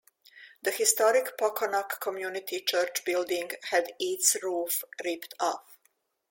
The historic Poquonock Community Church building had its roof ripped off.